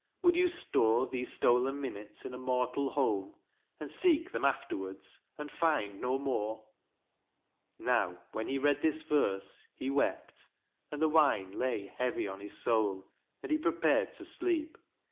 Would you store These stolen minutes in a mortal home And seek them afterwards, and find no more? Now when he read this verse he wept, and the wine lay heavy on his soul, and he prepared to sleep.